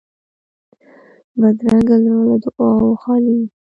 بدرنګه زړه له دعاوو خالي وي